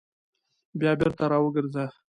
بیا بېرته راوګرځه !